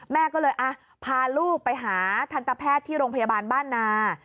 แม่ก็เลยพาลูกไปหาทันตแพทย์ที่โรงพยาบาลบ้านนา